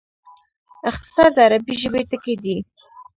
اختصار د عربي ژبي ټکی دﺉ.